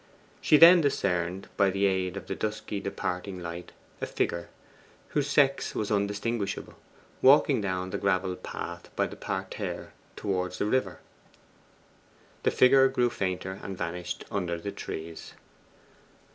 She then discerned, by the aid of the dusky departing light, a figure, whose sex was undistinguishable, walking down the gravelled path by the parterre towards the river. The figure grew fainter, and vanished under the trees.